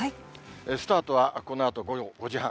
スタートはこのあと午後５時半。